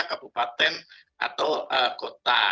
di kabupaten atau kota